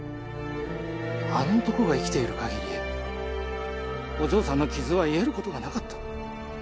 あの男が生きているかぎりお嬢さんの傷は癒えることがなかった。